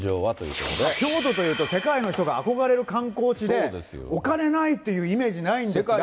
京都というと、世界の人が憧れる観光地で、お金ないっていうイメージないんですが。